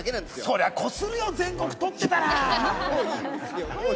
そりゃ、こするよ、全国取ってたら。